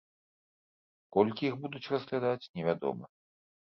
Колькі іх будуць разглядаць, невядома.